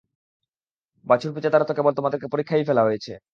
বাছুর পূজা দ্বারা তো কেবল তোমাদেরকে পরীক্ষায়ই ফেলা হয়েছে।